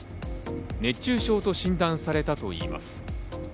熱中症と診断されたといいます。